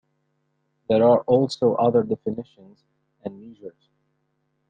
There are also other definitions and measures.